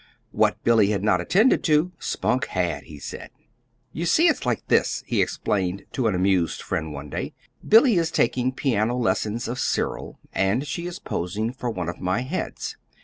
What Billy had not attended to, Spunk had, he said. "You see, it's like this," he explained to an amused friend one day. "Billy is taking piano lessons of Cyril, and she is posing for one of my heads.